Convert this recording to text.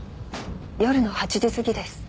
夜の８時過ぎです。